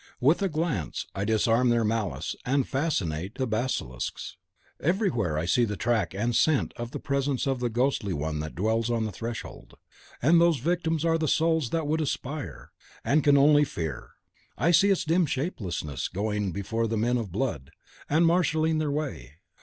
With a glance I disarm their malice, and fascinate the basilisks. Everywhere I see the track and scent the presence of the Ghostly One that dwells on the Threshold, and whose victims are the souls that would ASPIRE, and can only FEAR. I see its dim shapelessness going before the men of blood, and marshalling their way.